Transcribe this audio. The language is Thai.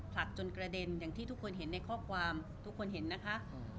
ผลักจนกระเด็นอย่างที่ทุกคนเห็นในข้อความทุกคนเห็นนะคะ